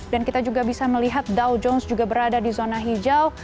dan kita juga bisa melihat dow jones juga berada di zona hijau